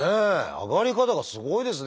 上がり方がすごいですね